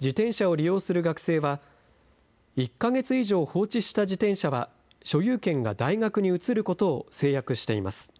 自転車を利用する学生は、１か月以上放置した自転車は所有権が大学に移ることを誓約しています。